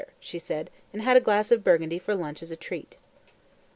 she said, and had a glass of Burgundy for lunch as a treat.